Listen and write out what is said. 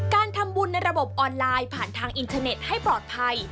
การทำบุญในระบบออนไลน์ผ่านทางอินเทอร์เน็ตให้ปลอดภัย